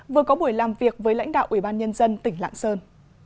vừa có buổi làm việc với lãnh đạo ủy ban nhân dân tỉnh lạng sơn